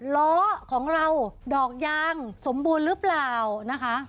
ล้อของเราดอกยางสมบูรณ์หรือเปล่านะคะ